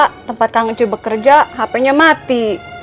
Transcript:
di tempat kang ncu bekerja hp nya mati